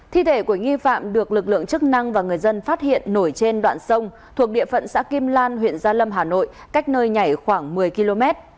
thi thể của nghi phạm được lực lượng chức năng và người dân phát hiện nổi trên đoạn sông thuộc địa phận xã kim lan huyện gia lâm hà nội cách nơi nhảy khoảng một mươi km